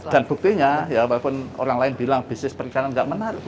dan buktinya walaupun orang lain bilang bisnis perikanan tidak menarik